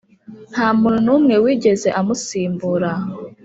nta n’umuntu wigeze amusimbura.